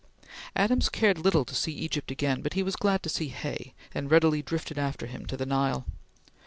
Adams cared little to see Egypt again, but he was glad to see Hay, and readily drifted after him to the Nile.